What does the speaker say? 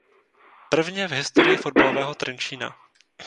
Prvně v historii fotbalového Trenčína.